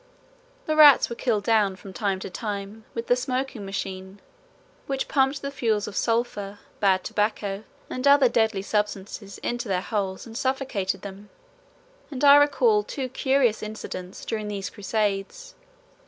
The rats were killed down from time to time with the "smoking machine," which pumped the fumes of sulphur, bad tobacco, and other deadly substances into their holes and suffocated them; and I recall two curious incidents during these crusades.